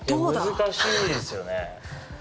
難しいですよね。